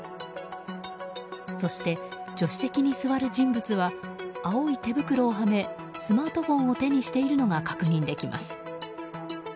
そして、助手席に座る人物は青い手袋をはめスマートフォンを手にしているのが確認できます。